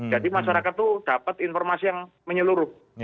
jadi masyarakat tuh dapat informasi yang menyeluruh